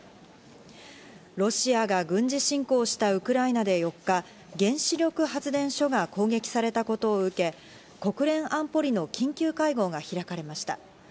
ロシアが軍事侵攻したウクライナで４日、原子力発電所が攻撃されたことを受け、国連安保理の緊急会合が開かれました。